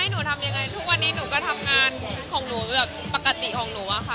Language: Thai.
หนูทำยังไงทุกวันนี้หนูก็ทำงานของหนูแบบปกติของหนูอะค่ะ